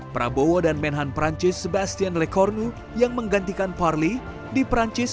prabowo dan menhan perancis sebastian lekornu yang menggantikan parli di perancis